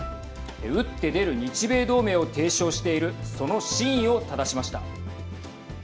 打って出る日米同盟を提唱しているその真意をただしました。